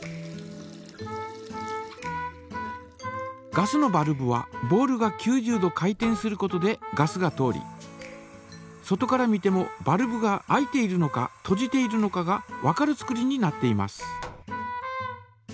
ガスのバルブはボールが９０度回転することでガスが通り外から見てもバルブが開いているのかとじているのかがわかる作りになっています。